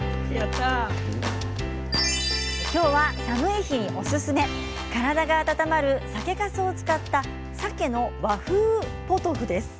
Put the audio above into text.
今日は寒い日におすすめ体が温まる酒かすを使ったさけの和風ポトフです。